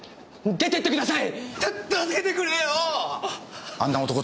出てってください！